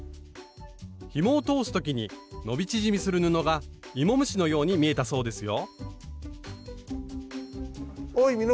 ひもを通す時に伸び縮みする布がイモムシのように見えたそうですよ